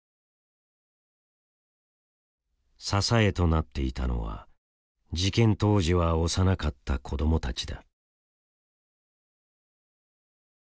支えとなっていたのは事件当時は幼かった子どもたちだ。